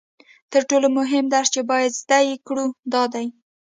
تر ټولو مهم درس چې باید زده یې کړو دا دی